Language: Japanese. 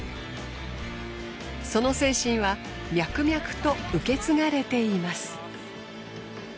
その精神は脈々と受け継がれています。